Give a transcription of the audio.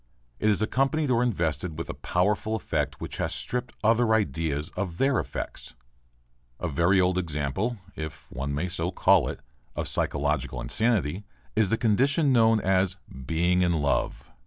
It is accompanied or invested with a powerful affect which has stripped other ideas of their affects. A very old example if one may so call it of physiological insanity is the condition known as "being in love."